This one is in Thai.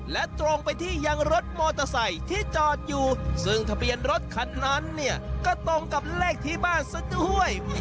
และตรงไปที่ยังรถมอเตอร์ไซค์ที่จอดอยู่ซึ่งทะเบียนรถคันนั้นเนี่ยก็ตรงกับเลขที่บ้านซะด้วย